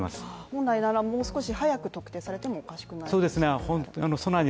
本来ならもう少し早く特定されてもおかしくないですか？